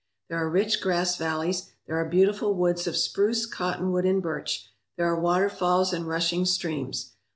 There are rich grass valleys; there are beautiful woods of spruce, cottonwood, and birch; there are waterfalls and rushing streams.